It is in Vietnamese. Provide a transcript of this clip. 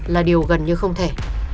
là điều gần như không thể